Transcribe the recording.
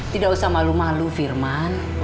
tidak usah malu malu firman